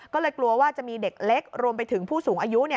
ก็เลยกลัวว่าจะมีเด็กเล็กรวมไปถึงผู้สูงอายุ